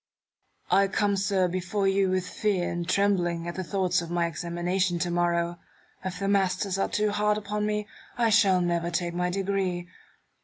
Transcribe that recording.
I come, sir, before you with fear and trembling, at the thoughts of my examination to morrow. If the masters are too hard upon me, I shall never take my degree.